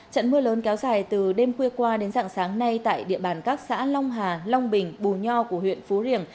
trận mưa lớn kéo dài từ đêm khuya qua đến dạng sáng nay tại địa bàn các xã long hà long bình bù nho của huyện phú riềng